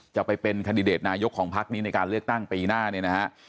จะเป็นคันดิเดตนายกของพักนี้ในการเลือกตั้งปีหน้าเนี่ยนะฮะ